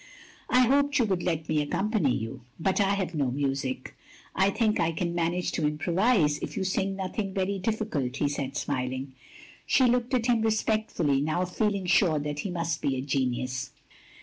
" I hoped you would let me accompany you. "" But I have no music. " "I think I can manage to improvise, if you sing nothing very difficult, " he said, smiling. She looked at him respectfully, now feeling sure that he must be a genius.